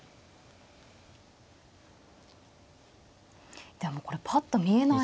でもこれパッと見えないです。